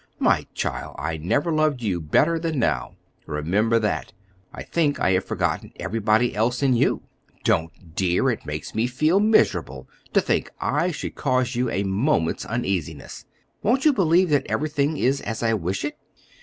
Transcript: My child, I never loved you better than now; remember that. I think I have forgotten everybody else in you." "Don't, dear! it makes me feel miserable to think I should cause you a moment's uneasiness. Won't you believe that everything is as I wish it?"